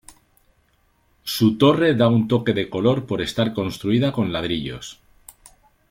Su torre da un toque de color por estar construida con ladrillos.